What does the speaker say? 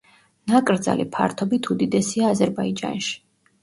ნაკრძალი ფართობით უდიდესია აზერბაიჯანში.